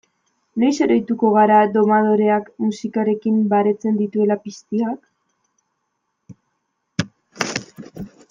Noiz oroituko gara domadoreak musikarekin baretzen dituela piztiak?